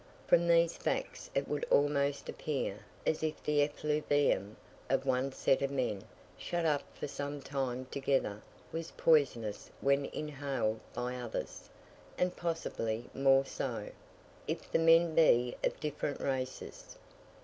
From these facts it would almost appear as if the effluvium of one set of men shut up for some time together was poisonous when inhaled by others; and possibly more so, if the men be of different races.